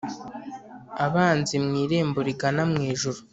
abanzi mu irembo rigana ijuru